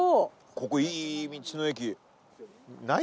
ここいい道の駅。